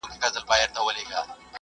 د ښځې میراث باید په عدالت ورکړل شي.